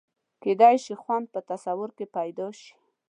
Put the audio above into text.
کېدای شي خوند په تصور کې پیدا شي.